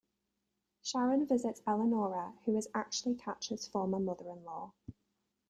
Sharon visits Elanora who is actually Catch's former mother-in-law.